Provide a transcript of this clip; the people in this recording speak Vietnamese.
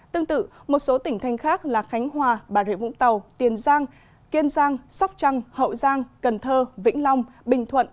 tương tự một số tỉnh thanh khác là khánh hòa bà rịa vũng tàu tiền giang kiên giang sóc trăng hậu giang cần thơ vĩnh long bình thuận